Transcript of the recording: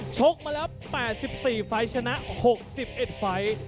ชกมาแล้ว๘๔ไฟล์ชนะ๖๑ไฟล์